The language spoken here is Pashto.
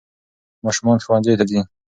ماشومان ښوونځیو ته ځي.